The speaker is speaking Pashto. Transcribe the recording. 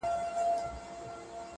سترگي مي ړندې سي رانه وركه سې؛